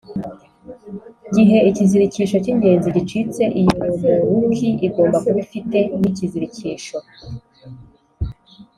Gihe ikizirikisho cy ingenzi gicitse iyo romoruki igomba kuba ifite n ikizirikisho